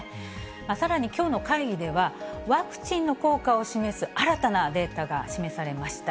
さらに、きょうの会議では、ワクチンの効果を示す新たなデータが示されました。